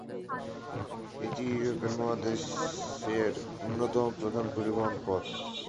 এটি ইউরোপ মহাদেশের অন্যতম প্রধান পরিবহন পথ।